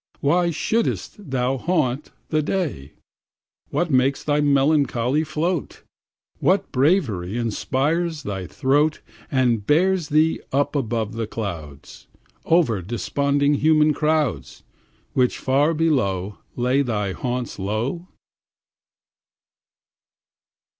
Why shouldst thou haunt the day? What makes thy melancholy float? What bravery inspires thy throat, And bears thee up above the clouds, Over desponding human crowds, Which far below Lay thy haunts low?